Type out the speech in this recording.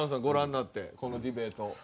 ご覧になってこのディベート。